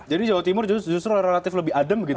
jadi jawa timur justru relatif lebih adem gitu ya